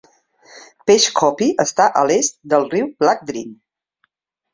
Peshkopi està a l'est del riu Black Drin.